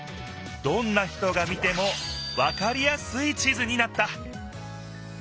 どんな人が見てもわかりやすい地図になった！